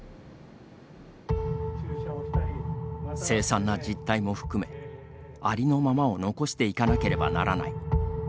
凄惨な実態も含めありのままを残していかなければならない。